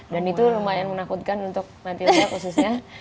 dan itu lumayan menakutkan untuk nanti saya khususnya